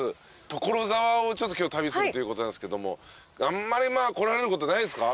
所沢をちょっと今日旅するということなんですけどもあんまり来られることないですか？